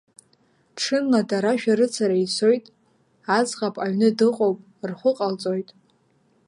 Ҽынла дара шәарыцара ицоит, аӡӷаб аҩны дыҟоуп, рхәы ҟалҵоит.